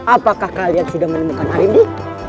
apakah kalian sudah menemukan arimbi